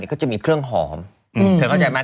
ก็จะมีเครื่องหอมเธอเข้าใจไหม